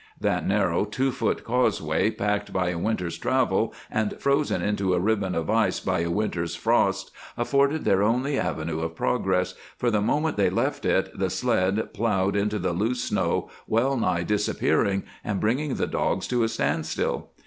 That narrow, two foot causeway, packed by a winter's travel and frozen into a ribbon of ice by a winter's frosts, afforded their only avenue of progress, for the moment they left it the sled plowed into the loose snow, well nigh disappearing and bringing the dogs to a standstill.